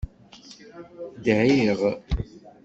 Dɛiɣ.